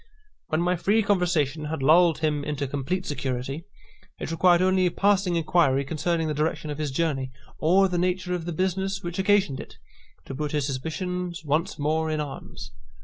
When my free conversation had lulled him into complete security, it required only a passing inquiry concerning the direction of his journey, or the nature of the business which occasioned it, to put his suspicions once more in arms.